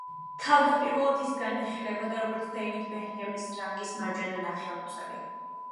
თავდაპირველად ის განიხილებოდა როგორც დეივიდ ბექჰემის რანგის მარჯვენა ნახევარმცველი.